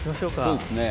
こうですね。